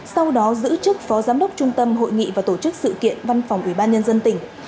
sau đó giữ chức phó giám đốc trung tâm hội nghị và tổ chức sự kiện văn phòng ubnd tỉnh